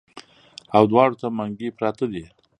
او دواړو ته منګي پراتۀ دي